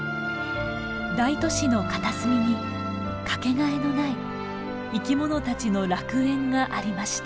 大都市の片隅にかけがえのない生き物たちの楽園がありました。